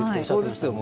そうですよ。